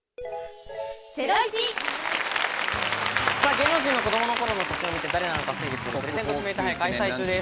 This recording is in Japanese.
芸能人の子どもの頃の写真を見て誰なのかを推理するプレゼント指名手配を開催中です。